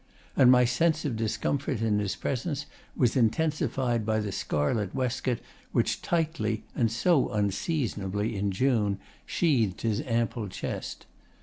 And my sense of discomfort in his presence was intensified by the scarlet waistcoat which tightly, and so unseasonably in June, sheathed his ample chest.